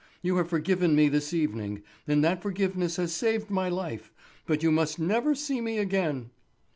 You have forgiven me this evening, and that forgiveness has saved my life; but you must never see me again."